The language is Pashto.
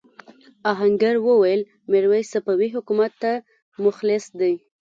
آهنګر وویل میرويس صفوي حکومت ته مخلص دی.